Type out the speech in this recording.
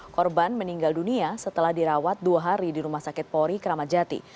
korban meninggal dunia setelah dirawat dua hari di rumah sakit polri kramat jati